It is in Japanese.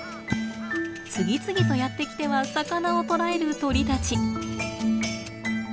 次々とやって来ては魚を捕らえる鳥たち。